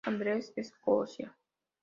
Andrews, Escocia.